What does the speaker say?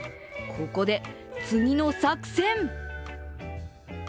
ここで、次の作戦！